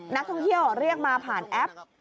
นักท่องเที่ยวเรียกมาผ่านแอป